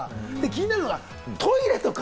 気になるのがトイレとか。